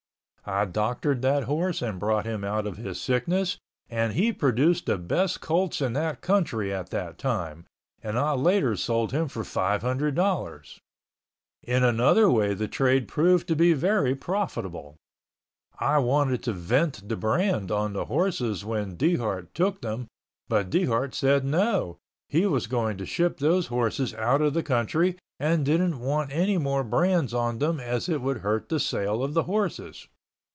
I doctored that horse and brought him out of his sickness and he produced the best colts in that country at that time and I later sold him for $500.00. In another way the trade proved to be very profitable. I wanted to vent the brand on the horses when Dehart took them but Dehart said no, he was going to ship those horses out of the country and didn't want any more brands on them as it would hurt the sale of the horses.